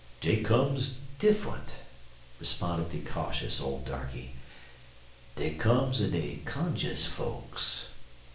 "Dey comes diffunt," responded the cautious old darkey. "Dey comes en dey cunjus fokes.